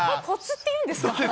こつっていうんですか？